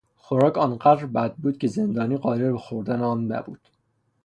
خوراک آنقدر بد بود که زندانی قادر به خوردن آن نبود.